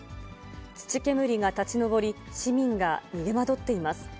土煙が立ち上り、市民が逃げまどっています。